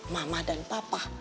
mama dan papa